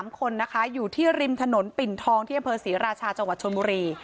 ๓คนนะคะอยู่ที่ริมถนนปิ่นทองที่อศรีราชาจชนมุรี